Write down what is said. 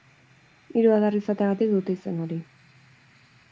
Hiru adar izateagatik dute izen hori.